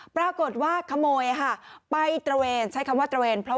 ปรากฏว่าขโมยภาพอยุตร